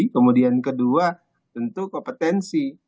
kemudian kedua tentu kompetensi